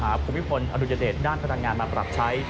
พระมหาผู้คุณพิฝนอรุญเดชด้านพลังงานมาปรับใช้